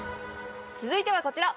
続いてはこちら！